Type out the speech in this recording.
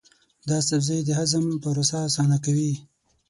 دا سبزی د هضم پروسه اسانه کوي.